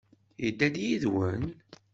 Yedda-d yid-wen?